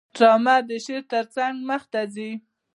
ډرامه د شعر ترڅنګ مخته ځي